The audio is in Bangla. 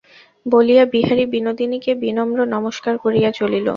বলিয়া বিহারী বিনোদিনীকে বিনম্র নমস্কার করিয়া চলিল।